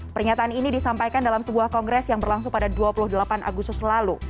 pernyataan ini disampaikan dalam sebuah kongres yang berlangsung pada dua puluh delapan agustus lalu